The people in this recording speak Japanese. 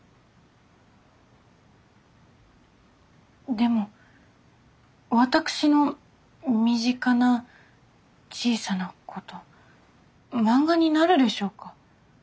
でも私の身近な小さなこと漫画になるでしょうか？